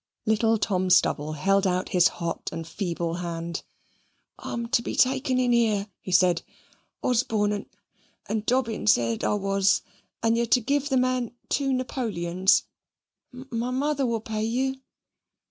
Little Tom Stubble held out his hot and feeble hand. "I'm to be taken in here," he said. "Osborne and and Dobbin said I was; and you are to give the man two napoleons: my mother will pay you."